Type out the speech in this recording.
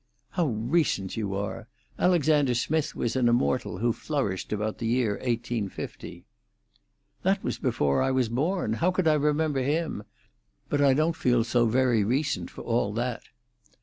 "How recent you are! Alexander Smith was an immortal who flourished about the year 1850." "That was before I was born. How could I remember him? But I don't feel so very recent for all that."